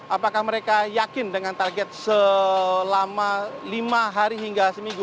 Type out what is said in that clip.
apakah mereka yakin dengan target selama lima hari hingga seminggu